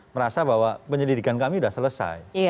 merasa bahwa penyelidikan kami sudah selesai